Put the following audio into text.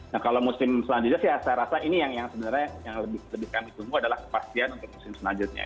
nah kalau musim selanjutnya sih saya rasa ini yang sebenarnya yang lebih kami tunggu adalah kepastian untuk musim selanjutnya